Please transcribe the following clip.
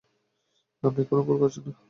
আপনি কোনো ভুল করছেন না।